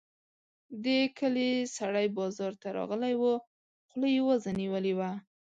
د کلي سړی بازار ته راغلی وو؛ خوله يې وازه نيولې وه.